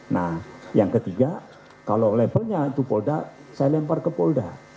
nah yang ketiga kalau levelnya itu polda saya lempar ke polda